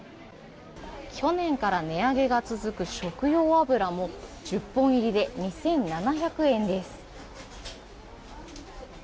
去年から値上げが続く食用油も１０本入りで２７００円です。